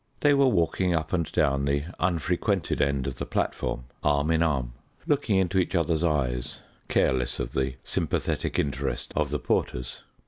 They were walking up and down the unfrequented end of the platform, arm in arm, looking into each other's eyes, careless of the sympathetic interest of the porters.